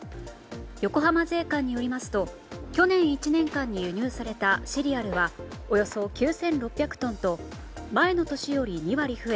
横浜税関によりますと去年１年間に輸入されたシリアルはおよそ９６００トンと前の年より２割増え